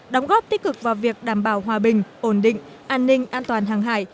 đóng góp tích cực vào việc đảm bảo hòa bình ổn định an ninh an toàn hàng hải